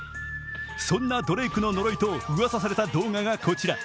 そんなドレイクの呪いとうわさされた動画がこちら。